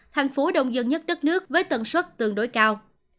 thành phố đông dân nhất đất nước với tần suất tương đối cao